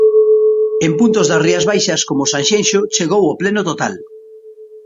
En puntos das Rías Baixas como Sanxenxo chegou ao pleno total.